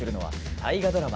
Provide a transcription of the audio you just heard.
大河ドラマ